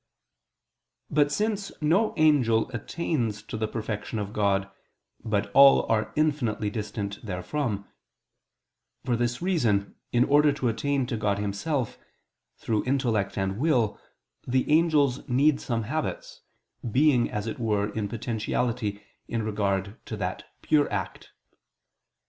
But since no angel attains to the perfection of God, but all are infinitely distant therefrom; for this reason, in order to attain to God Himself, through intellect and will, the angels need some habits, being as it were in potentiality in regard to that Pure Act.